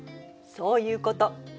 そういうこと。